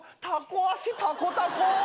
たこ足たこたこ。